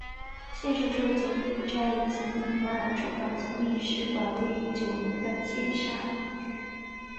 现时只有柬埔寨及尼泊尔驻港总领事馆位于九龙的尖沙咀。